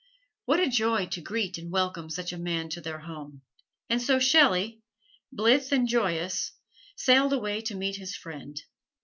What a joy to greet and welcome such a man to their home! And so Shelley, blithe and joyous, sailed away to meet his friend.